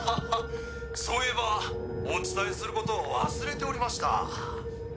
「そういえばお伝えすることを忘れておりました」